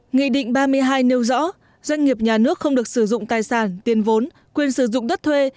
nghị định ba mươi hai nêu rõ doanh nghiệp nhà nước không được sử dụng tài sản tiền vốn quyền sử dụng đất thuê